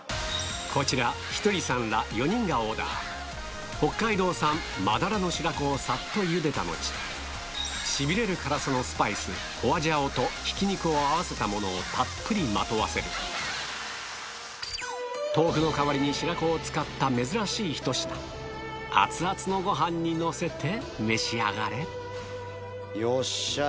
こちらひとりさんら４人がオーダーをさっとゆでた後しびれる辛さのスパイス花椒とひき肉を合わせたものをたっぷりまとわせる豆腐の代わりに白子を使った珍しいひと品熱々のご飯にのせて召し上がれよっしゃい！